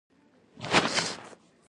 د تراکتور قلبه څومره ژوره وي؟